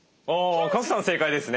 賀来さん正解ですね。